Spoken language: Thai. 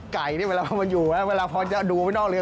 ไก่นี่เวลามาอยู่เวลาพอจะดูไปนอกเรือ